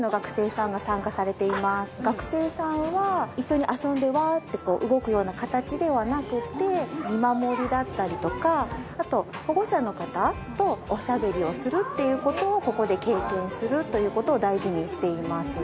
学生さんは一緒に遊んでワーって動くような形ではなくて見守りだったりとかあと保護者の方とおしゃべりをするっていう事をここで経験するという事を大事にしています。